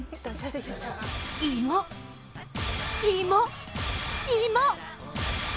芋、芋、芋、芋！